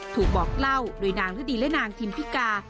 ถูกบอกเล่าโดยนางฤดีและนางทิมพิกา